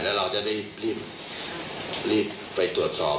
แล้วเราจะได้รีบไปตรวจสอบ